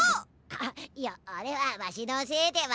あいやあれはワシのせいでは。